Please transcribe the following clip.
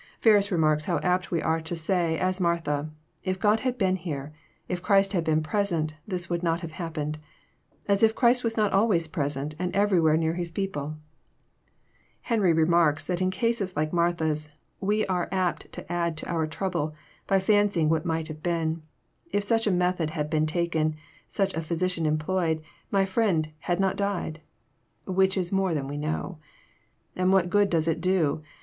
Ferns remarks how apt we all are to say, as Martha, <<If God had been here, if Christ had been present, this would not have happened; as if Christ was not always present, and everywhere near His people !" Henry remarks that in cases like Martha's, we are apt to add to our trouble by fancying what might have been. If such a method had been taken, such a physician employed, my friend had not died I which is more than we know. And what good does it do